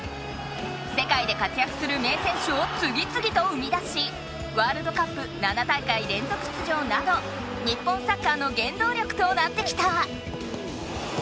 世界で活やくする名選手をつぎつぎと生み出しワールドカップ７大会連続出場など日本サッカーの原動力となってきた。